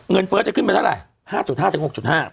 เงินเฟ้อจะขึ้นไปเท่าไหร่๕๕๖๕